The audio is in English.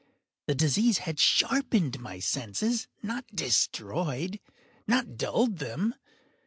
The disease had sharpened my senses—not destroyed—not dulled them.